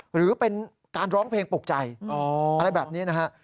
หรือเป็นการร้องเพลงปลูกใจอะไรแบบนี้นะฮะ